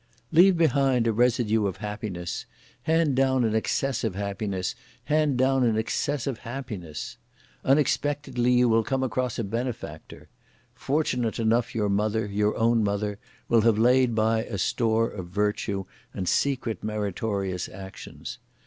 Leave behind a residue of happiness! Hand down an excess of happiness; hand down an excess of happiness! Unexpectedly you will come across a benefactor! Fortunate enough your mother, your own mother, will have laid by a store of virtue and secret meritorious actions!